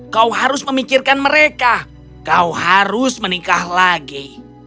kau harus memikirkan mereka kau harus menikah lagi